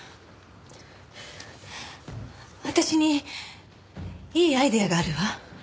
私にいいアイデアがあるわ。